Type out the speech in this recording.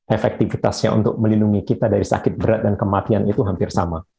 efektivitasnya untuk melindungi kita dari sakit berat dan kematian itu hampir sama